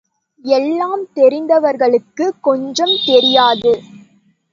எல்லாம் தெரிந்தவர்களுக்குக் கொஞ்சம் தெரியாது.